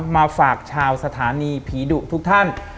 มาฝากชาวสถานีผีดุทุกท่าน